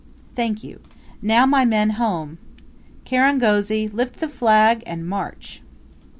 "Thank you. Now, my men, Home! Kirangozi, lift the flag, and MARCH!"